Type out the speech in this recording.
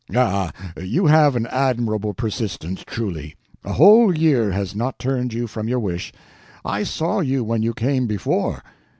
"Ah, you have an admirable persistence, truly; a whole year has not turned you from your wish. I saw you when you came before."